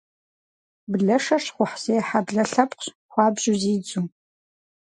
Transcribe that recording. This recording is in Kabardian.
Блэшэр щхъухьзехьэ блэ лъэпкъщ, хуабжьу зидзу.